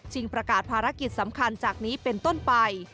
ประกาศภารกิจสำคัญจากนี้เป็นต้นไป